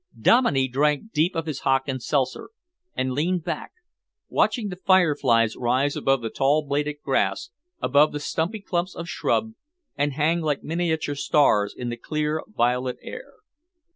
Dominey drank deep of his hock and seltzer and leaned back, watching the fireflies rise above the tall bladed grass, above the stumpy clumps of shrub, and hang like miniature stars in the clear, violet air.